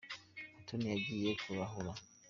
mutoni yagiye kurahura